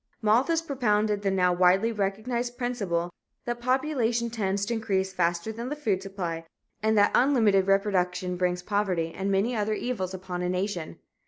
Malthus propounded the now widely recognized principle that population tends to increase faster than the food supply and that unlimited reproduction brings poverty and many other evils upon a nation.